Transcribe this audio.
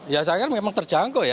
ya saya kira memang terjangkau ya